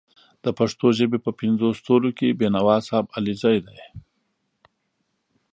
د پښتو ژبې په پینځو ستورو کې بېنوا صاحب علیزی دی